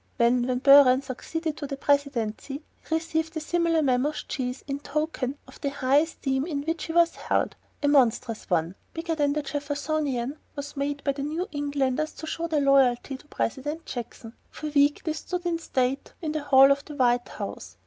When Van Buren succeeded to the Presidency, he received a similar mammoth cheese in token of the high esteem in which he was held. A monstrous one, bigger than the Jeffersonian, was made by New Englanders to show their loyalty to President Jackson. For weeks this stood in state in the hall of the White House.